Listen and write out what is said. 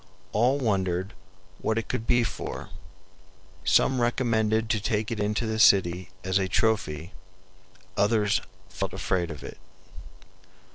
All wondered what it could be for. Some recommended to take it into the city as a trophy; others felt afraid of it.